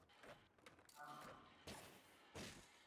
সাত্তু ভাইয়াকে প্যারাডাইজ হোটেলে পাওয়া গেছে।